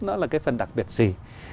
nó là cái phần đặc biệt gì